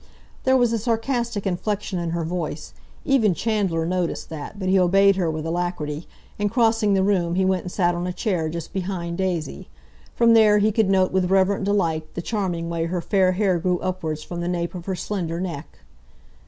There was a sarcastic inflection in her voice, even Chandler noticed that, but he obeyed her with alacrity, and crossing the room he went and sat on a chair just behind Daisy. From there he could note with reverent delight the charming way her fair hair grew upwards from the nape of her slender neck.